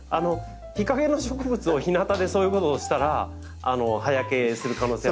日陰の植物を日なたでそういうことをしたら葉焼けする可能性はあります。